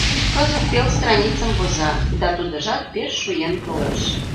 Кызыт пел страницым воза да тудыжат пеш шуэн толеш.